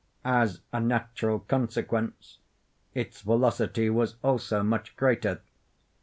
As a natural consequence, its velocity was also much greater.